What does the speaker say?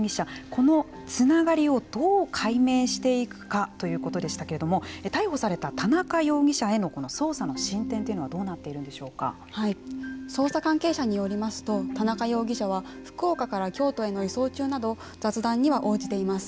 このつながりをどう解明していくかということでしたけれども逮捕された田中容疑者へのこの捜査の進展というのは捜査関係者によりますと田中容疑者は福岡から京都への移送中など雑談には応じています。